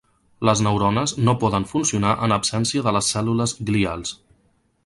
Les neurones no poden funcionar en absència de les cèl·lules glials.